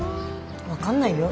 分かんないよ